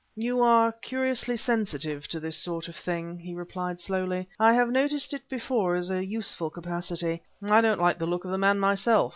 "You are curiously sensitive to this sort of thing," he replied slowly; "I have noticed it before as a useful capacity. I don't like the look of the man myself.